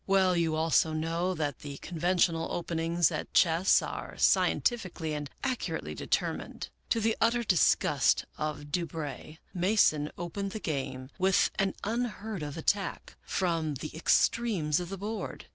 Well, you also know that the conventional openings at chess are scientifically and accu rately determined. To the utter disgust of Du Brey, Mason opened the game with an unheard of attack from the ex tremes of the board.